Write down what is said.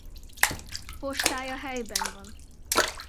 Postája helyben van.